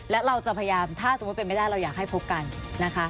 และเราจะพยายามถ้าสมมุติเป็นไม่ได้เราอยากให้พบกันนะคะ